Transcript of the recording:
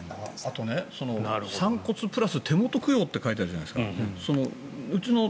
あと、散骨プラス手元供養って書いてるじゃないですか。